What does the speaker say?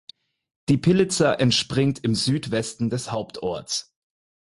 Die Pilica entspringt im Südwesten des Hauptorts.